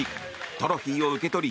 トロフィーを受け取り